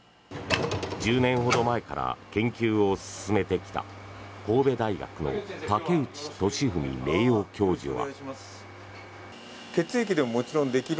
１０年ほど前から研究を進めてきた神戸大学の竹内俊文名誉教授は。